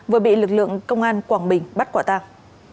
vừa bị lực lượng công an quảng bình bắt quả tàng